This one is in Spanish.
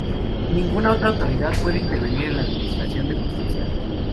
Ninguna otra autoridad puede intervenir en la administración de justicia.